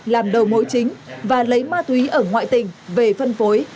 làm đầu mối chính và lấy ma túy ở ngoại tỉnh về phân phối